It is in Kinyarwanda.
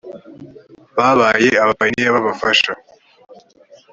babaye abapayiniya b abafasha